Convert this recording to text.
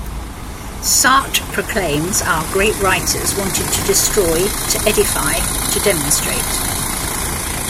Sartre proclaims, our great writers wanted to destroy, to edify, to demonstrate.